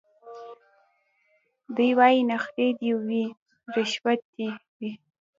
دی وايي نخرې دي وي رشوت دي وي